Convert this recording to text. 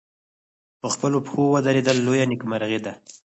په خپلو پښو ودرېدل لویه نېکمرغي ده.